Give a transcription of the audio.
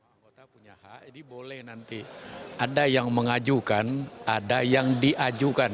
anggota punya hak jadi boleh nanti ada yang mengajukan ada yang diajukan